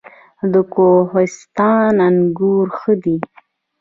د کوهستان انګور ښه دي